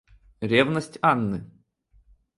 Ревность Анны.